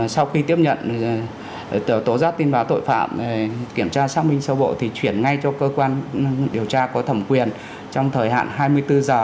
sau khi tiếp nhận tổ giác tin báo tội phạm kiểm tra xác minh sâu bộ thì chuyển ngay cho cơ quan điều tra có thẩm quyền trong thời hạn hai mươi bốn h